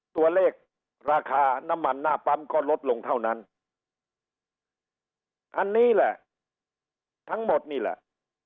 ตัวเลขราคาน้ำมันหน้าปั๊มก็ลดลงเท่านั้นอันนี้แหละทั้งหมดนี่แหละ